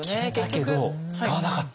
決めたけど使わなかった。